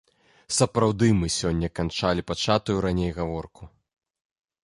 Сапраўды, мы сёння канчалі пачатую раней гаворку.